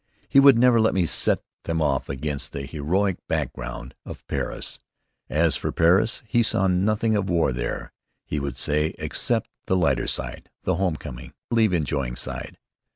He would never let me set them off against "the heroic background" of Paris. As for Paris, we saw nothing of war there, he would say, except the lighter side, the homecoming, leave enjoying side.